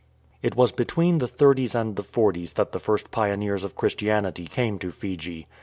It was between the thirties and the forties that the first pioneers of Christianity came to Fiji.